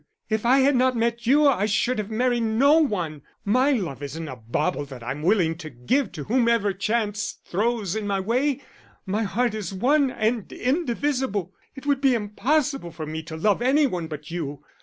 If I had not met you I should have married no one. My love isn't a bauble that I am willing to give to whomever chance throws in my way. My heart is one and indivisible; it would be impossible for me to love any one but you....